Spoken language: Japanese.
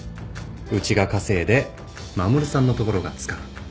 うちが稼いで衛さんの所が使う。